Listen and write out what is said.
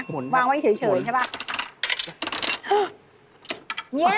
หมุนค่ะแปลงออกมาเฉยใช่ป่ะหมุนค่ะ